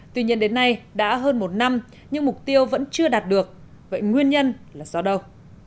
tuy nhiên đến nay đã hơn một năm nhưng mục tiêu vẫn chưa đạt được vậy nguyên nhân là do đâu